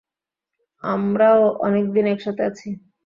আমরাও অনেকদিন একসাথে আছি।